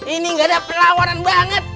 ini gak ada pelawanan banget